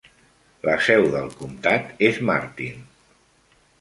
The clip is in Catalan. La seu del comtat és Martin.